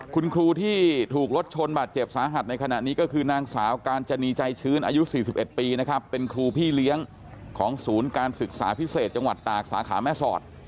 คุณครูที่ถูกรถชนบาดเจ็บสาหัสในขณะนี้ก็คือนางสาวกาญจนีใจชื้นอายุ๔๑ปีนะครับเป็นครูพี่เลี้ยงของศูนย์การศึกษาพิเศษจังหวัดตากสาขาแม่สอด